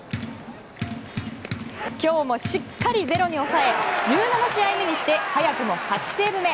今日もしっかり０に抑え１７試合目にして早くも８セーブ目。